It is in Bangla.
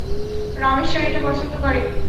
রামেশ্বর এটা পছন্দ করে।